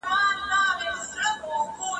مورنۍ ژبه څنګه د زده کړې پوهاوی پراخوي؟